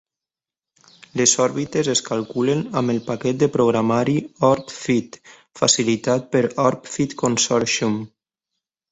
Les òrbites es calculen amb el paquet de programari OrbFit facilitat per OrbFit Consortium.